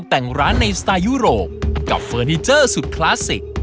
แต่ไอ้ซ็อปต้องกลับไม่ได้